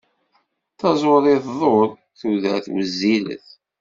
Taẓuri tḍul, tudert wezzilet.